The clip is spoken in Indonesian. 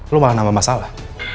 lo malah nama masalah